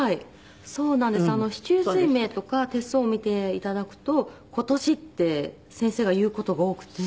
「四柱推命とか手相を見ていただくと今年って先生が言う事が多くて」